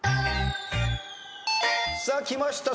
さあきました。